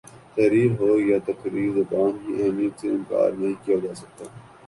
تحریر ہو یا تقریر زبان کی اہمیت سے انکار نہیں کیا جا سکتا